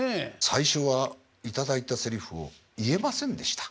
最初は頂いたセリフを言えませんでした。